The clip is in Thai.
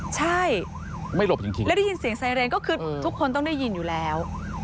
ใช่ไม่หลบจริงแล้วได้ยินเสียงไซเรนก็คือทุกคนต้องได้ยินอยู่แล้ว